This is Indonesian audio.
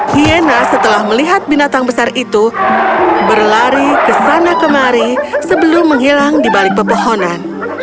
hiena setelah melihat binatang besar itu berlari ke sana kemari sebelum menghilang di balik pepohonan